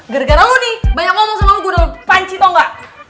gara gara lo nih banyak ngomong sama gue udah panci tau gak